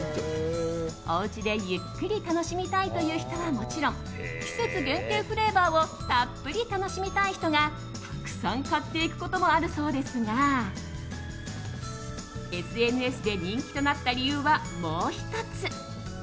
おうちでゆっくり楽しみたいという人はもちろん季節限定フレーバーをたっぷり楽しみたい人がたくさん買っていくこともあるそうですがＳＮＳで人気となった理由はもう１つ。